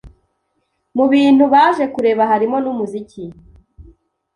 mu bintu baje kureba harimo n’umuziki